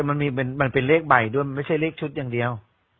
มันเป็นเลขใบด้วยไม่ใช่เลขชุดอย่างเดียว